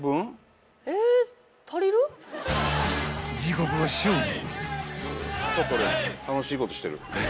［時刻は正午］